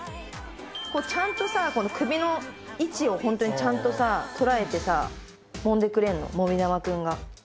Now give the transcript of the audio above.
ちゃんとさこの首の位置をホントにちゃんとさ捉えてさもんでくれるのもみ玉くんが。